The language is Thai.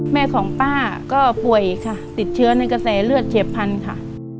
แม่ของป้าก็ป่วยค่ะติดเชื้อในกระแสเลือดเฉียบพันธุ์ค่ะ